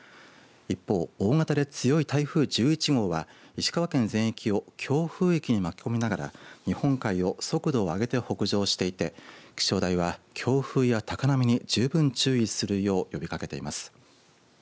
一方、大型で強い台風１１号は石川県全域を強風域に巻き込みながら日本海を速度を上げて北上していて気象台は、強風や高波に十分注意するよう呼びかけています。